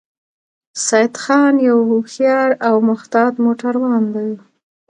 سیدخان یو هوښیار او محتاط موټروان دی